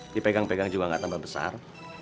dipegang pegang juga nggak tambah besar